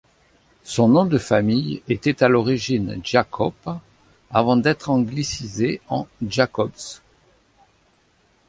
Son nom de famille était à l'origine Giacoppa avant d'être anglicisé en Jacobs.